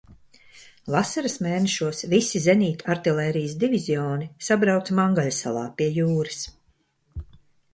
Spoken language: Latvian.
Vasaras mēnešos visi zenītartilērijas divizioni sabrauca Mangaļsalā pie jūras.